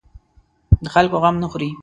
د خلکو غم نه خوري.